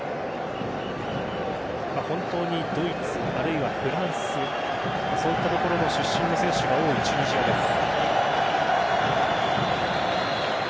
本当にドイツあるいはフランスそういったところの出身の選手が多いチュニジアです。